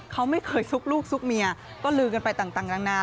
เขาไม่เคยซุกลูกซุกเมียก็ลือกันไปต่างนานา